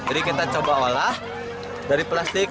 jadi kita coba olah dari plastik